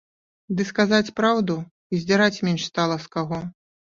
Ды, сказаць праўду, і здзіраць менш стала з каго.